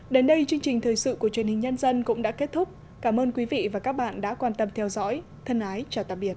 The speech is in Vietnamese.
đến đây chương trình thời sự của truyền hình nhân dân cũng đã kết thúc cảm ơn quý vị và các bạn đã quan tâm theo dõi thân ái chào tạm biệt